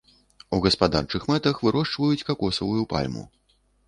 У гаспадарчых мэтах вырошчваюць какосавую пальму.